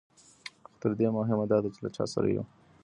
خو تر دې مهمه دا ده چې له چا سره یو.